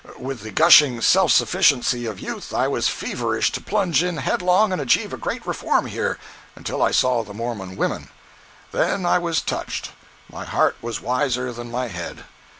With the gushing self sufficiency of youth I was feverish to plunge in headlong and achieve a great reform here—until I saw the Mormon women. Then I was touched. My heart was wiser than my head.